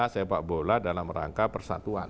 sepak bola dalam rangka persatuan